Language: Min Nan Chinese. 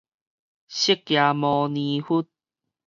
釋迦牟尼佛